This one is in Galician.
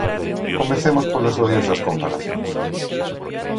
Comecemos polas odiosas comparacións.